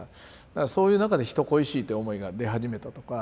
だからそういう中で人恋しいって思いが出始めたとか。